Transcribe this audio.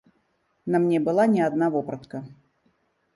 На мне была не адна вопратка.